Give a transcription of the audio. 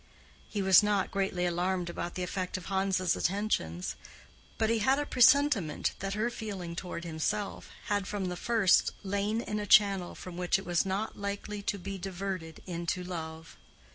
He was not greatly alarmed about the effect of Hans's attentions, but he had a presentiment that her feeling toward himself had from the first lain in a channel from which it was not likely to be diverted into love.